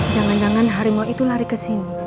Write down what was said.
jangan jangan harimau itu lari kesini